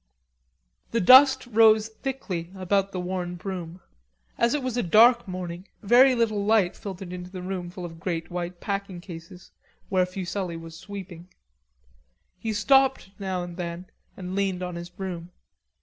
The dust rose thickly about the worn broom. As it was a dark morning, very little light filtered into the room full of great white packing cases, where Fuselli was sweeping. He stopped now and then and leaned on his broom.